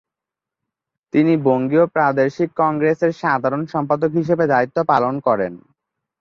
তিনি বঙ্গীয় প্রাদেশিক কংগ্রেসের সাধারণ সম্পাদক হিসেবে দায়িত্ব পালন করেন।